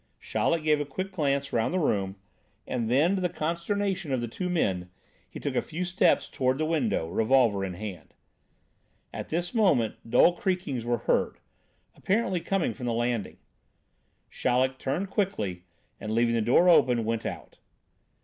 Chaleck gave a quick glance round the room, and then, to the consternation of the two men, he took a few steps toward the window, revolver in hand. At this moment dull creakings were heard, apparently coming from the landing. Chaleck turned quickly, and, leaving the door open, went out.